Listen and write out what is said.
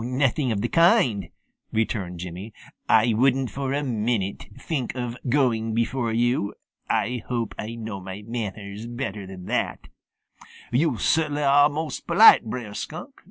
"Nothing of the kind," returned Jimmy. "I wouldn't for a minute think of going before you. I hope I know my manners better than that." "Yo' cert'nly are most polite, Brer Skunk.